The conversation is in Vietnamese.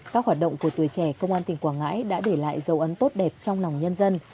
các hoạt động của tuổi trẻ công an tỉnh quảng ngãi đã để lại dấu ấn tốt đẹp trong lòng nhân dân